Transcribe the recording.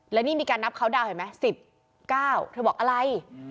แล้วนี่มีการนับคาวดาวเห็นไหมสิบเก้าเธอบอกอะไร